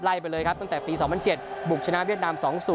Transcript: ไปเลยครับตั้งแต่ปี๒๐๐๗บุกชนะเวียดนาม๒๐